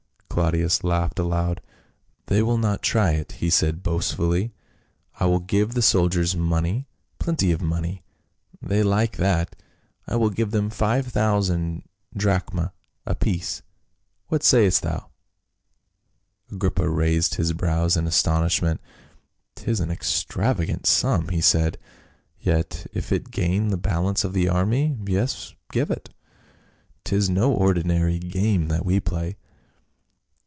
Claudius laughed aloud. "They will not try it," he said boastfully. " I will give the soldiers money, plenty of money ; they like that. I will give them — five thousand drachmae apiece, what sayst thou ?" Agrippa raised his brows in astonishment. " 'Tis an extravagant sum," he said, "yet, if it gain the bal ance of the army — yes, give it. 'Tis no ordinary game that we play."